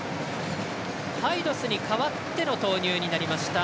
ハイドースに代わっての投入になりました